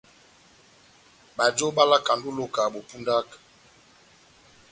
Bajo bálakandi ó iloka bó pundaka.